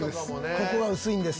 ここは薄いんです。